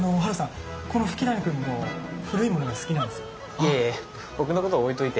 いえいえ僕の事は置いといて。